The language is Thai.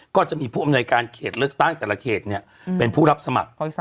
ก็จะมีผู้อำนวยการเขตเลือกตั้งแต่ละเขตเป็นผู้รับสมัคร